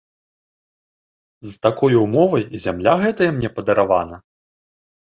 З такой умовай і зямля гэтая мне падаравана.